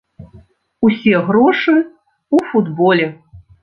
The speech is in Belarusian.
Усе грошы ў футболе.